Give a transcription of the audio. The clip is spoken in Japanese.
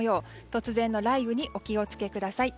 突然の雷雨にお気を付けください。